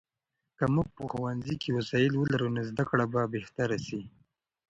که موږ په ښوونځي کې وسایل ولرو، نو زده کړه به بهتره سي.